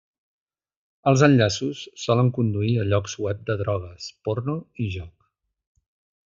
Els enllaços solen conduir a llocs web de drogues, porno i joc.